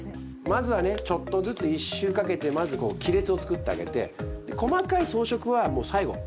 まずはねちょっとずつ１周かけてまずこう亀裂をつくってあげて細かい装飾はもう最後。